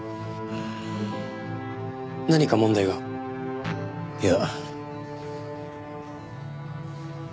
何か問題が？いや。